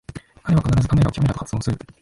彼は必ずカメラをキャメラと発音する